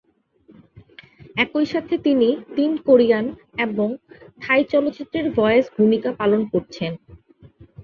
একই সাথে তিনি তিন কোরিয়ান এবং থাই চলচ্চিত্রে ভয়েস ভূমিকা পালন করেছেন।